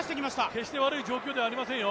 決して悪い状況ではありませんよ。